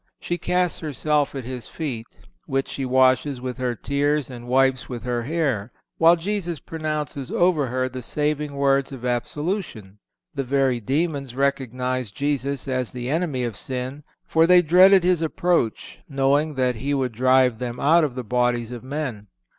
She casts herself at His feet, which she washes with her tears and wipes with her hair, while Jesus pronounces over her the saving words of absolution. The very demons recognized Jesus as the enemy of sin, for they dreaded His approach, knowing that He would drive them out of the bodies of men.